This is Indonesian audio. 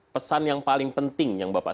pesan yang paling penting yang bapak